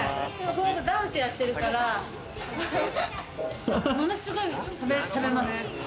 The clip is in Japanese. この子、ダンスやってるからものすごい食べますよ。